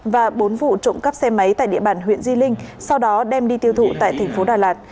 và bốn vụ trộm cắp xe máy tại địa bàn huyện di linh sau đó đem đi tiêu thụ tại thành phố đà lạt